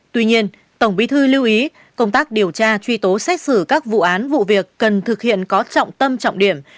tuy nhiên tổng bí thư lưu ý công tác điều tra truy tố xét xử các vụ án vụ việc cần thực hiện có trọng tâm trọng điểm